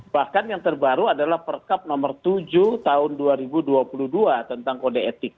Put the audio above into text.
bahkan yang terbaru adalah perkab nomor tujuh tahun dua ribu dua puluh dua tentang kode etik